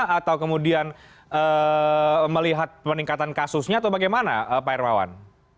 atau kemudian melihat peningkatan kasusnya atau bagaimana pak hermawan